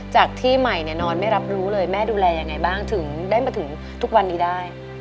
จากที่ใหม่เนี่ยนอนไม่รับรู้เลยแม่ดูแลยังไงบ้างถึงได้มาถึงทุกวันนี้ได้